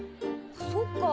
そっか。